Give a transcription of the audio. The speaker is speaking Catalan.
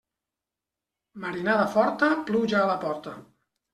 Marinada forta, pluja a la porta.